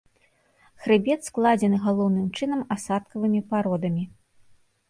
Хрыбет складзены галоўным чынам асадкавымі пародамі.